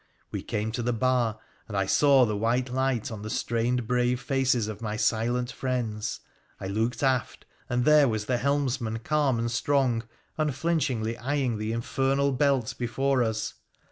We came to the bar, and I saw the white light on the strained brave faces of my silent friends. I looked aft, and there was the helmsman calm and strong, unflinchingly eyeing the infernal belt before us.